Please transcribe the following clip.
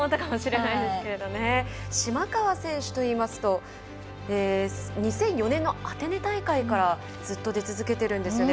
島川選手といいますと２００４年のアテネ大会から出続けてるんですよね。